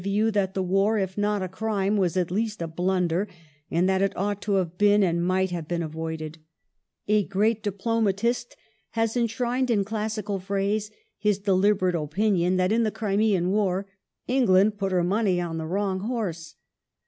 15 226 THE COALITION AND THE CRIMEAN WAR [1852 that the war, if not a crime, was at least a blunder, and that it ought to have been and might have been avoided. A great diplomatist has enshrined in classical phrase his deliberate opinion that in the Crimean War " England put her money on the wrong hoi se